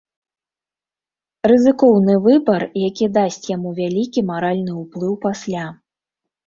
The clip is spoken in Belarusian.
Рызыкоўны выбар, які дасць яму вялікі маральны ўплыў пасля.